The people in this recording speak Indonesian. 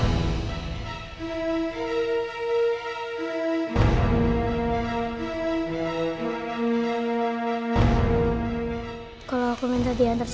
aku mau main ke rumah intan